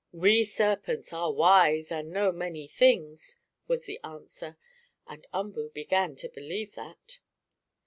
"We serpents are wise, and know many things," was the answer, and Umboo began to believe that.